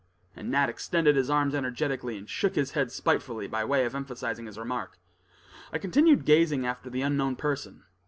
And Nat extended his arms energetically, and shook his head spitefully by way of emphasizing his remark. I continued gazing after the unknown person.